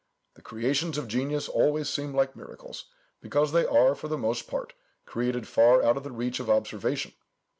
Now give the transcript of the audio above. The creations of genius always seem like miracles, because they are, for the most part, created far out of the reach of observation.